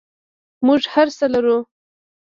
موږ هر څه لرو؟